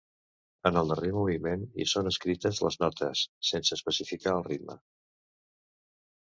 En el darrer moviment hi són escrites les notes; sense especificar el ritme.